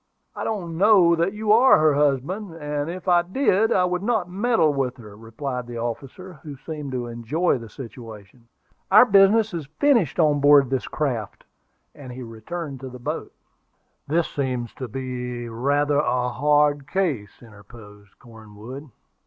"I don't know that you are her husband; and if I did, I would not meddle with her," replied the officer, who seemed to enjoy the situation. "Our business is finished on board of this craft:" and he returned to the boat. "This seems to be rather a hard case," interposed Cornwood.